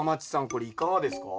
これいかがですか？